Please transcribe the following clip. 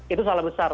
itu salah besar